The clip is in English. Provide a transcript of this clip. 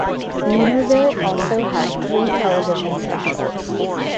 Weinerville also had three television specials.